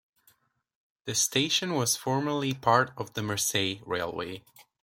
The station was formerly part of the Mersey Railway.